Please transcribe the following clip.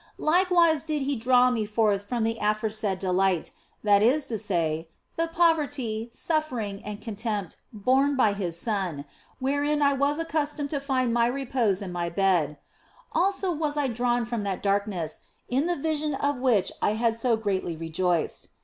Likewise did He draw me forth from the aforesaid delight, that is to say, the poverty, suffering, and contempt borne by His Son (wherein I was accustomed to find my repose and my bed) ; also was I withdrawn from that darkness, in the vision of which I had so greatly rejoiced.